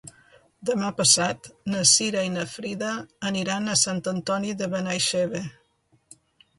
Demà passat na Cira i na Frida aniran a Sant Antoni de Benaixeve.